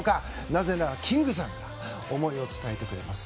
なぜならキングさんが思いを伝えてくれます。